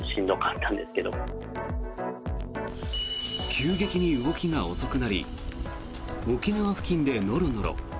急激に動きが遅くなり沖縄付近でノロノロ。